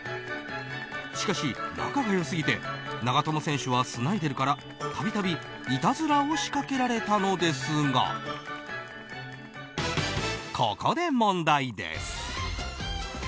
しかし、仲が良すぎて長友選手はスナイデルから度々いたずらを仕掛けられたのですがここで問題です。